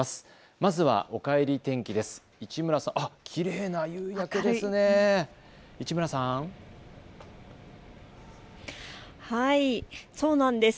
まずはおかえり天気です。